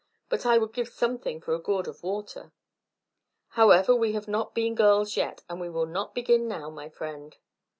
But I would give something for a gourd of water. However, we have not been girls yet, and we will not begin now, my friend."